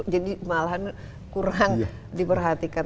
jadi malahan kurang diperhatikan